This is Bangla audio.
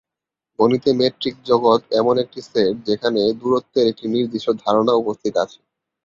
গণিতে মেট্রিক জগৎ এমন একটি সেট যেখানে দূরত্বের একটি নির্দিষ্ট ধারণা উপস্থিত আছে।